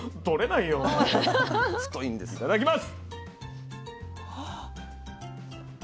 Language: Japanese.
いただきます。